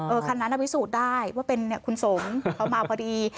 เออคันนั้นน่ะวิสูจน์ได้ว่าเป็นคุณสมเขามาพอดี